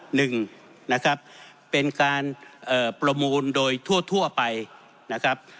หนึ่งนะครับเป็นการเอ่อประมูลโดยทั่วทั่วไปนะครับ